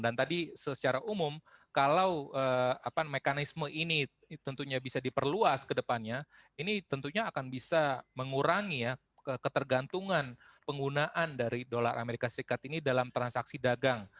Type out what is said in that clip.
dan tadi secara umum kalau mekanisme ini tentunya bisa diperluas kedepannya ini tentunya akan bisa mengurangi ya ketergantungan penggunaan dari dolar as ini dalam transaksi dagang